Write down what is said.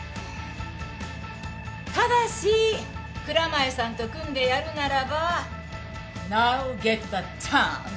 ただし蔵前さんと組んでやるならばナウゲッタチャンス！